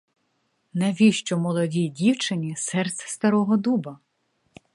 Навіщо молодій дівчині серце старого дуба?